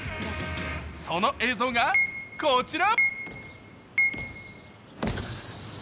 その映像がこちら。